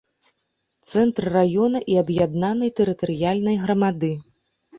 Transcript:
Цэнтр раёна і аб'яднанай тэрытарыяльнай грамады.